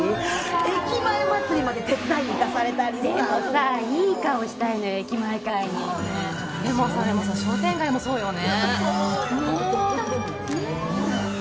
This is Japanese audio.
駅前祭りまで手伝いに行かされたりでもさいい顔したいのよ駅前会にでもさでもさ商店街もそうよね